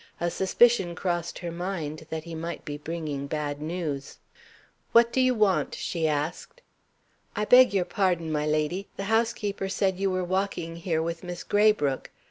A suspicion crossed her mind that he might be bringing bad news. "What do you want?" she asked. "I beg your pardon, my lady the housekeeper said you were walking here with Miss Graybrooke.